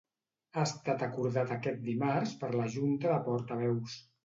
Ha estat acordat aquest dimarts per la Junta de Portaveus.